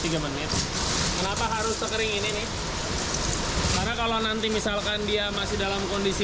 tiga menit kenapa harus sekering ini nih karena kalau nanti misalkan dia masih dalam kondisi